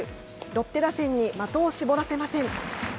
ロッテ打線に的を絞らせません。